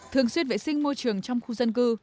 thường xuyên vệ sinh môi trường trong khu dân cư